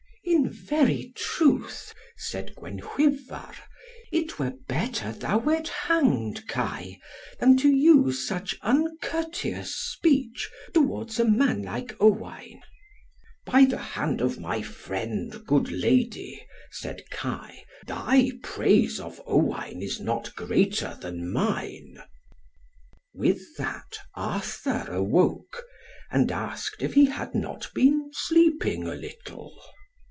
"In very truth," said Gwenhwyvar, "it were better thou wert hanged, Kai, than to use such uncourteous speech towards a man like Owain." "By the hand of my friend, good Lady," said Kai, "thy praise of Owain is not greater than mine." With that Arthur awoke, and asked if he had not been sleeping a little.